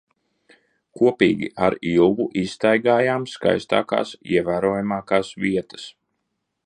Kopīgi ar Ilgu izstaigājam skaistākās, ievērojamākās vietas.